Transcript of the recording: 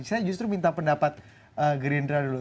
saya justru minta pendapat gerindra dulu